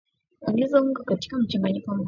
Ongeza unga katika mchanganyiko wa mafuta